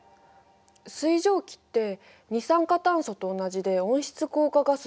水蒸気って二酸化炭素と同じで温室効果ガスだよね。